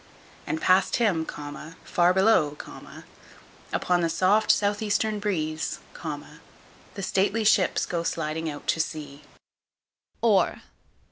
And past him, far below, upon the soft south eastern breeze, the stately ships go sliding out to sea. _OR.